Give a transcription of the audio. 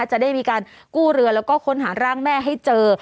จะได้มีการกู้เรือแล้วก็ค้นหาร่างแม่ให้เจอ